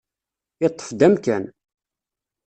Yeṭṭef-d amkan.